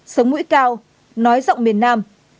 sống mũi cao nói rộng miền nam